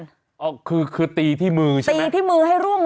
น่ะคือตีที่มือใช่มั้ย